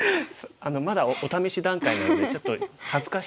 あのまだお試し段階なのでちょっと恥ずかしいです